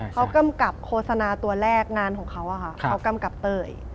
เขากำกับโฆษณาตัวแรกงานของเขาเขากำกับเตย